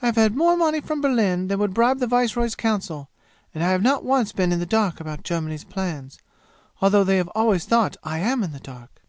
I have had more money from Berlin than would bribe the viceroy's council, and I have not once been in the dark about Germany's plans although they have always thought I am in the dark.